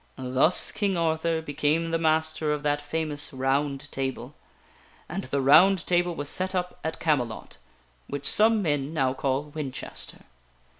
Thus King Arthur became the master of that famous ROUND TABLE. And the ROUND TABLE was set up, at Camelot (which some men now call Winchester).